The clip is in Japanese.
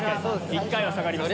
１回は下がります。